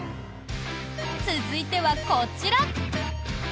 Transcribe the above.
続いては、こちら。